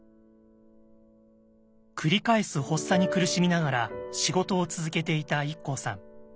繰り返す発作に苦しみながら仕事を続けていたＩＫＫＯさん。